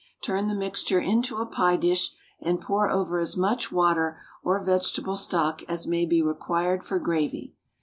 Turn the mixture into a pie dish, and pour over as much water or vegetable stock as may be required for gravy.